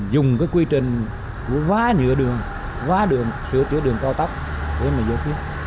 dùng cái quy trình của vá nhựa đường vá đường sửa chữa đường cao tóc để mà vô phía